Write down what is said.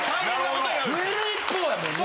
増える一方やもんね。